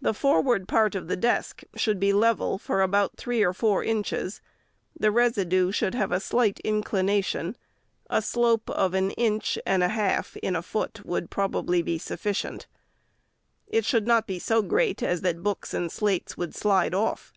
The forward part of the desk should be level for about three or four inches. The residue should have a slight inclination. A slope of an inch and a half in a foot would, probably, be sufficient. It should not be so great, as that books and slates would slide off.